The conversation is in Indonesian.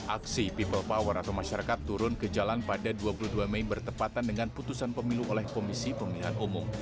aksi people power atau masyarakat turun ke jalan pada dua puluh dua mei bertepatan dengan putusan pemilu oleh komisi pemilihan umum